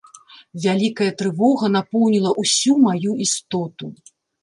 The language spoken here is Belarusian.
Вялікая трывога напоўніла ўсю маю істоту.